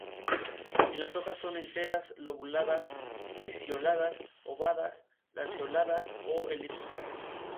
En la universidad se interesó en Internet y sus habilidades de publicación.